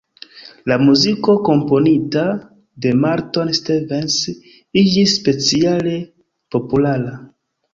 La muziko komponita de Morton Stevens iĝis speciale populara.